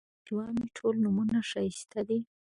د پېشوا مې ټول نومونه ښایسته دي